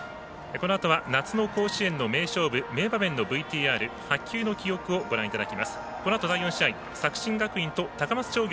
このあとは夏の甲子園の名勝負名場面のＶＴＲ白球の記憶をご覧いただきます。